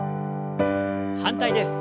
反対です。